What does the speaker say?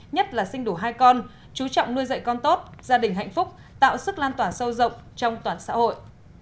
nhất là sinh đủ hai con chú trọng nuôi dạy con tốt gia đình hạnh phúc tạo sức lan tỏa sâu rộng trong toàn xã hội